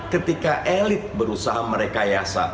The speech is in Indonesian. ketika elit berusaha merekayasa